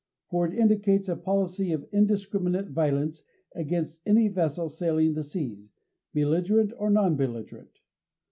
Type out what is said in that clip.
For it indicates a policy of indiscriminate violence against any vessel sailing the seas belligerent or non belligerent.